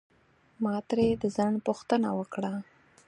ما ترې د ځنډ پوښتنه وکړه.